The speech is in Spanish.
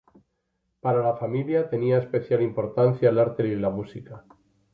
Para la familia tenía especial importancia el arte y la música.